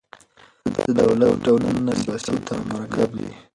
د دولت ډولونه بسیط او مرکب دي.